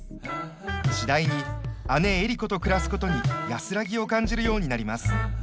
次第に姉江里子と暮らすことに安らぎを感じるようになります。